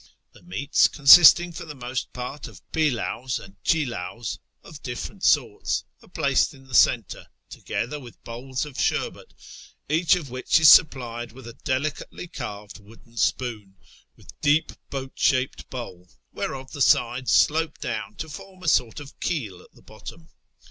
The meats, consisting for the most part oi inUiios and childws^ of diflerent sorts, are placed in the centre, together with bowls of sherbet, each of which is supplied with a delicately carved wooden spoon, with deej) boat shaped bowl, whereof the sides slope down to form a sort of keel at the bottom.